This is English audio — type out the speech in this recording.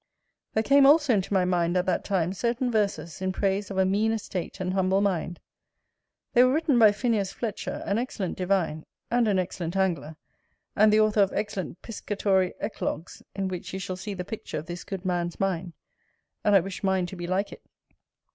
There came also into my mind at that time certain verses in praise of a mean estate and humble mind: they were written by Phineas Fletcher, an excellent divine, and an excellent angler; and the author of excellent Piscatory Eclogues, in which you shall see the picture of this good man's mind: and I wish mine to be like it.